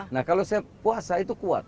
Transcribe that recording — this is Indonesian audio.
nah kalau saya puasa itu kuat